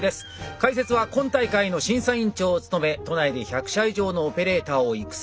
解説は今大会の審査員長を務め都内で１００社以上のオペレーターを育成。